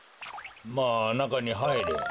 まあなかにはいれ。